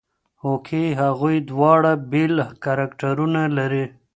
هوکې هغوی دواړه بېل کرکټرونه لري.